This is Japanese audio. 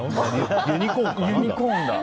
ユニコーンかな？